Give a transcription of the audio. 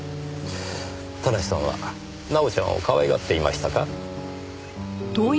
田無さんは奈緒ちゃんを可愛がっていましたか？